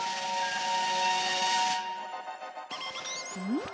ん？